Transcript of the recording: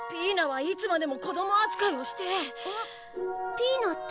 ピイナって？